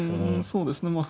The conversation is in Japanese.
そうですねまあ